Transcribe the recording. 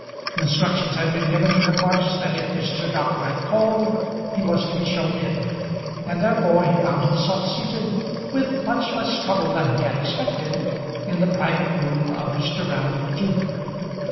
Instructions had been given to the clerks that if Mr. Dockwrath called he was to be shown in, and therefore he found himself seated, with much less trouble than he had expected, in the private room of Mr. Round junior.